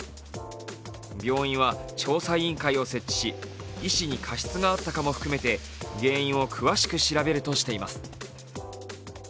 病院は調査委員会を設置し医師に過失があったかも含めて原因を詳しく調べるとしています。